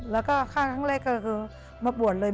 แล้วก็ฆ่าครั้งแรกก็คือมาบวชเลย